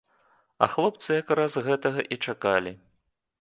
А хлопцы як раз гэтага і чакалі.